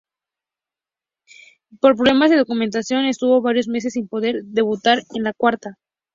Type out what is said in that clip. Por problemas de documentación, estuvo varios meses sin poder debutar en la Cuarta.